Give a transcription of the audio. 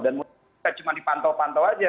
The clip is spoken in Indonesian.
dan mungkin bukan cuma dipantau pantau saja